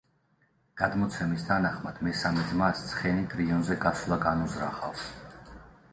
გადმოცემის თანახმად, მესამე ძმას ცხენით რიონზე გასვლა განუზრახავს.